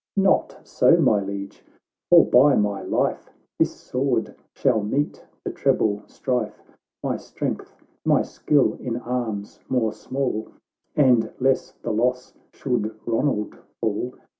—" Not so, my Liege — for by my life, This sword shall meet the treble strife ; My strength, my skill in arms, more small, And less the loss should Ronald fall.